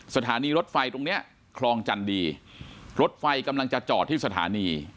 สถานีรถไฟตรงเนี้ยคลองจันดีรถไฟกำลังจะจอดที่สถานี